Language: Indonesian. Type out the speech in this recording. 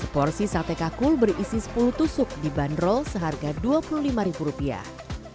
porsi sate kakul berisi sepuluh tusuk dibanderol seharga dua puluh lima ribu rupiah